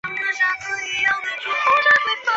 中共中央党校经济管理系毕业。